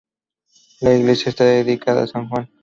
La iglesia está dedicada a san Juan.